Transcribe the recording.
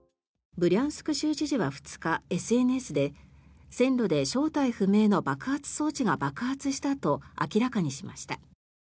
ブリャンスク州知事は２日ＳＮＳで線路で正体不明の爆発装置が爆発したと明らかにしました。